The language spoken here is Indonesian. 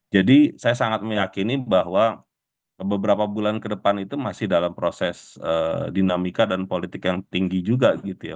jadi saya sangat meyakini bahwa beberapa bulan ke depan itu masih dalam proses dinamika dan politik yang tinggi juga gitu ya